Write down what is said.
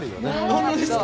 本当ですか。